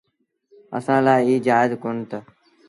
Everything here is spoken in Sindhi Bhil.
اسآݩٚ لآ ايٚ جآئيز ڪونهي تا